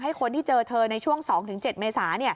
คนที่เจอเธอในช่วง๒๗เมษา